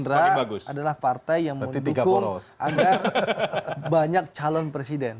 berarti partai yang mendukung agar banyak calon presiden